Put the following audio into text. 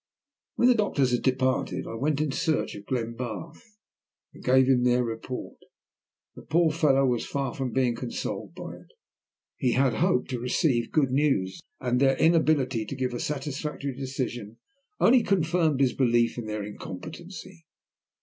When the doctors had departed I went in search of Glenbarth, and gave him their report. The poor fellow was far from being consoled by it. He had hoped to receive good news, and their inability to give a satisfactory decision only confirmed his belief in their incompetency.